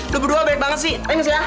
lo berdua banyak banget sih